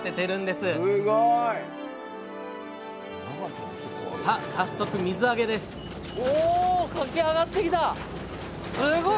すごい！さあ早速水揚げですすごい！